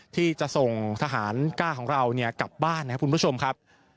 ที่จะส่งทหารก้าของเรากลับบ้านนะครับคุณผู้ชมครับ